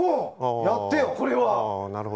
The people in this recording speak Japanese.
やってよ、これは。